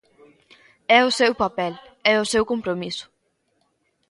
É o seu papel, é o seu compromiso.